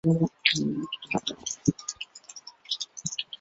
埃吉耶。